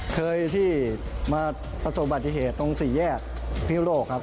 เคยที่มาประสบบัติเหตุตรงสี่แยกพิโลกครับ